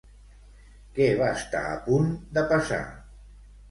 Què va estar a punt de passar?